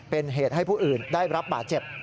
เป็นเหตุให้ผู้อื่นได้รับบาดเจ็บ